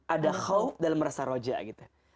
ada khawf dalam merasa roja gitu ya